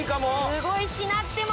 すごいしなってる！